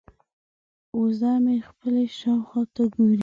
وزه مې خپلې شاوخوا ته ګوري.